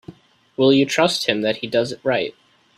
Will you trust him that he does it right?